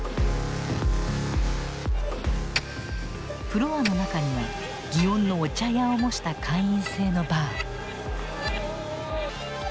フロアの中には祇園のお茶屋を模した会員制のバー。